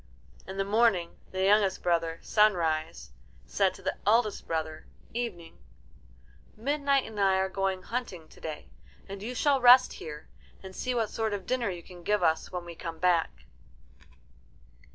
In the morning the youngest brother. Sunrise, said to the eldest brother, Evening, "Midnight and I are going hunting to day, and you shall rest here, and see what sort of dinner you can give us when we come back."